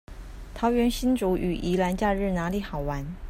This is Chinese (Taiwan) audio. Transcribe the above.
桃園新竹與宜蘭假日哪裡好玩